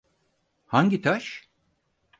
Hangi taş?